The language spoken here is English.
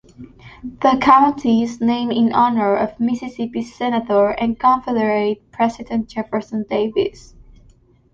The county is named in honor of Mississippi Senator and Confederate President Jefferson Davis.